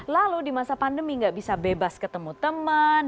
lalu di masa pandemi nggak bisa bebas ketemu teman